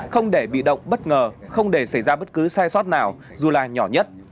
không để bị động bất ngờ không để xảy ra bất cứ sai sót nào dù là nhỏ nhất